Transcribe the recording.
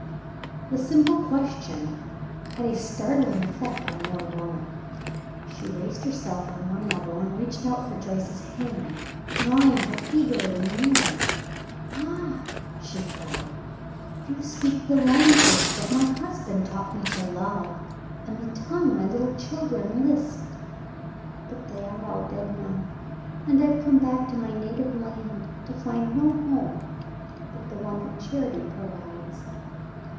The simple question had a startling effect on the old woman. She raised herself on one elbow, and reached out for Joyce's hand, drawing her eagerly nearer. "Ah," she cried, "you speak the language that my husband taught me to love, and the tongue my little children lisped; but they are all dead now, and I've come back to my native land to find no home but the one that charity provides."